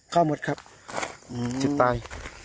เข้าหมดครับจิตตาย